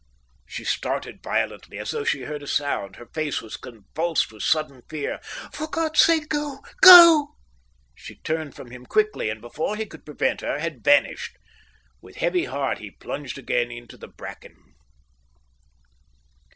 She started violently, as though she heard a sound. Her face was convulsed with sudden fear. "For God's sake go, go!" She turned from him quickly, and, before he could prevent her, had vanished. With heavy heart he plunged again into the bracken.